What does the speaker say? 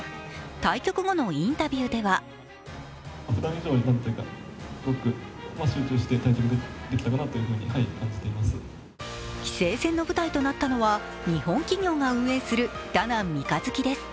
対局後のインタビューでは棋聖戦の舞台となったのは日本企業が運営するダナン三日月です。